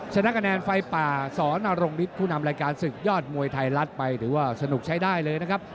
ชนะคะแนนไฟป่าสอนรงฤทธิ์ผู้นำรายการศึกยอดมวยไทยรัฐไปถือว่าสนุกใช้ได้เลยนะครับ